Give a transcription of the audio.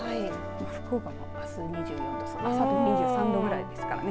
福岡もあす２４度あさって２３度くらいですからね。